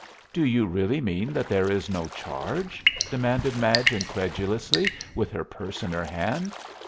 "Do you really mean that there is no charge?" demanded Madge, incredulously, with her purse in her hand.